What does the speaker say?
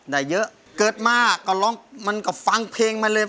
ได้เยอะเกิดมามันก็ฟังเพลงมาเลย